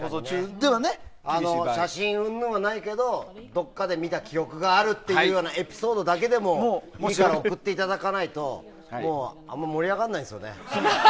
写真うんぬんはないけどどこかで見たような記憶があるというエピソードだけでも送っていただかないとあんま盛り上がらないんですよね。